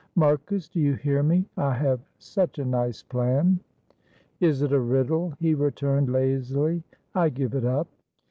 "Marcus, do you hear me? I have such a nice plan." "Is it a riddle?" he returned, lazily. "I give it up."